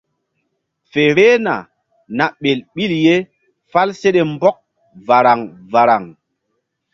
Fe vbehna na ɓel ɓil ye fál seɗe mbɔk varaŋ varaŋ.